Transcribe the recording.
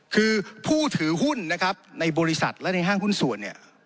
คือผู้ถือหุ้นนะครับในบริษัทและในห้างหุ้นส่วนเนี่ย